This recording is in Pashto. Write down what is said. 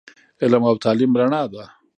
علم او تعليم رڼا ده